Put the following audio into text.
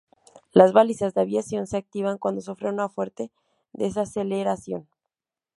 Las balizas de aviación se activan cuando sufren una fuerte desaceleración.